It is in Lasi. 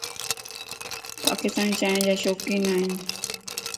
پاڪستاني چائن جا شوقين ائين.